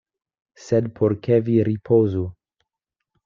Sed por ke vi ripozu.